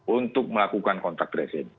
untuk melakukan kontak resim